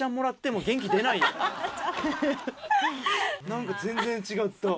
何か全然違った。